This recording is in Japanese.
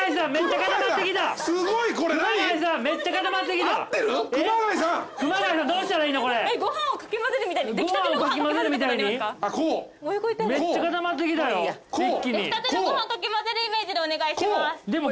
出来たてのご飯かき混ぜるイメージでお願いします。